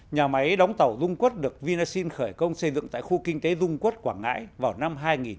nhà máy đóng tàu dung quốc được vinasin khởi công xây dựng tại khu kinh tế dung quốc quảng ngãi vào năm hai nghìn ba